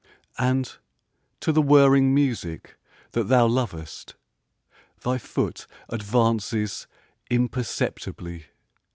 And to the whirring music that thou lovest Thy foot advances imperceptibly.